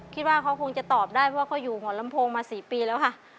คิดว่าเขาคงจะตอบได้เพราะเขาอยู่หัวลำโพงมา๔ปีแล้วค่ะ